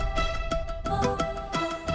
nino udah tidur